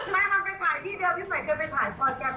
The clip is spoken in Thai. ไม่มันไปถ่ายที่เดียวพี่ใหม่เคยไปถ่ายโปรเจกต์